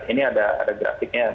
ini ada grafiknya